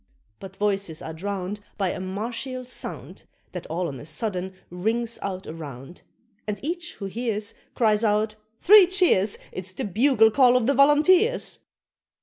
But voices are drowned By a martial sound That all on a sudden rings out around; And each who hears Cries out, "Three cheers! It's the bugle call of the Volunteers!"